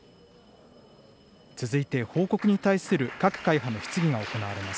続いて報告に対する各会派の質疑が行われます。